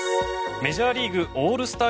メジャーリーグオールスター